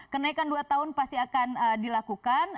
kenaikan dua tahun pasti akan dilakukan